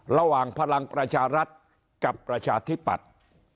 ระหว่างพลังประชารัฐกับประชาธิปัตย์